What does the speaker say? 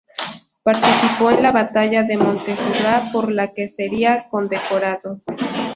Participó en la Batalla de Montejurra, por la que sería condecorado.